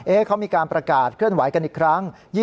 เขามีการประกาศเคลื่อนไหวกันอีกครั้ง